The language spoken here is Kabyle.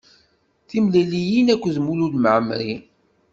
Timliliyin akked Mulud Mɛemri.